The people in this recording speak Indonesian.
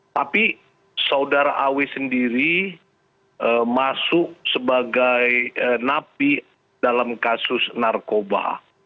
tapi saudara aw sendiri masuk sebagai napi dalam kasus narkoba